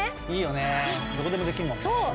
いいよねどこでもできるもんね。